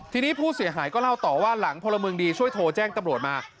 ทีนี้ผู้เสียหายก็เล่าต่อว่าหลังพลเมืองดีช่วยโทรแจ้งตำรวจมา